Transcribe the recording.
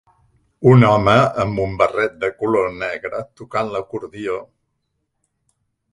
Un home amb un barret de color negre tocant l"acordió.